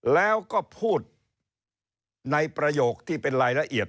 แล้วก็พูดในประโยคที่เป็นรายละเอียด